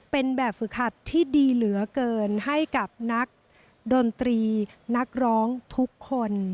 เป็นแบบฝึกหัดที่ดีเหลือเกินให้กับนักดนตรีนักร้องทุกคน